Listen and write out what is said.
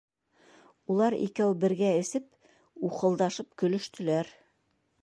Улар икәү бергә эсеп, ухылдашып көлөштөләр.